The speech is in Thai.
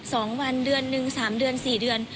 สองวันเดือนหนึ่งสามเดือนสี่เดือน